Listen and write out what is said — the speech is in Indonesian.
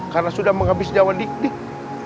karena sudah menghabis jauhan dik